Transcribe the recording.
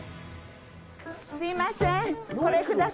すみません！